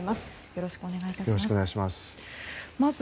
よろしくお願いします。